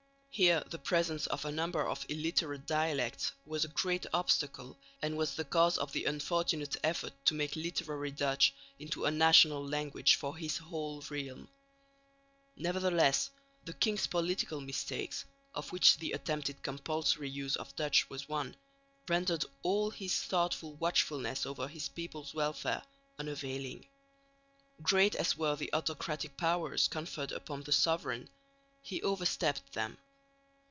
Here the presence of a number of illiterate dialects was a great obstacle and was the cause of the unfortunate effort to make literary Dutch into a national language for his whole realm. Nevertheless the king's political mistakes (of which the attempted compulsory use of Dutch was one) rendered all his thoughtful watchfulness over his people's welfare unavailing. Great as were the autocratic powers conferred upon the sovereign, he overstepped them.